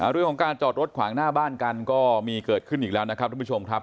เรื่องของการจอดรถขวางหน้าบ้านกันก็มีเกิดขึ้นอีกแล้วนะครับทุกผู้ชมครับ